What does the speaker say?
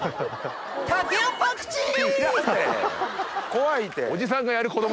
怖いて！